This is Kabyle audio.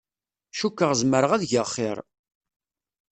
Cukkeɣ zemreɣ ad geɣ xir.